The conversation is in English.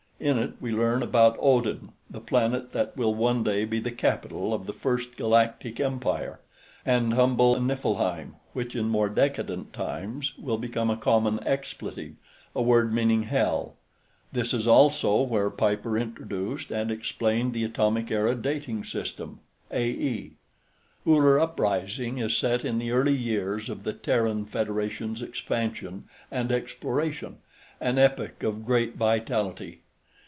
In it we learn about Odin, the planet that will one day be the capital of the First Galactic Empire; and humble Niflheim, which in more decadent times will become a common expletive, a word meaning hell. This is also where Piper introduced and explained the Atomic Era dating system (A.E.). Uller Uprising is set in the early years of the Terran Federation's expansion and exploration, an epoch of great vitality.